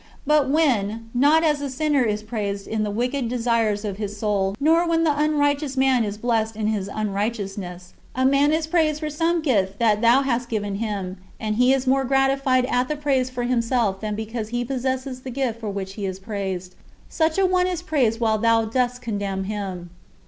But when not as a sinner is praised in the wicked desires of his soul nor when the unrighteous man is blessed in his unrighteousness a man is praised for some gift that thou hast given him, and he is more gratified at the praise for himself than because he possesses the gift for which he is praised, such a one is praised while thou dost condemn him.